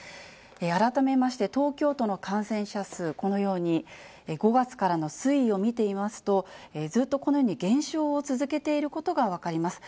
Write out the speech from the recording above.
改めまして東京都の感染者数、このように５月からの推移を見ていますと、ずっとこのように減少を続けていることが分かります。